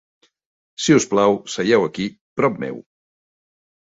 Si us plau, seieu aquí, prop meu.